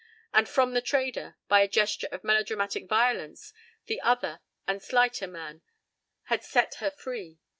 —And from the trader, by a gesture of melodramatic violence, the other and slighter man had set her free.